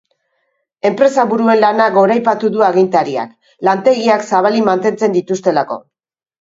Enpresaburuen lana goraipatu du agintariak, lantegiak zabalik mantentzen dituztelako.